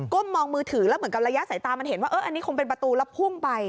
มองมือถือแล้วเหมือนกับระยะสายตามันเห็นว่าอันนี้คงเป็นประตูแล้วพุ่งไป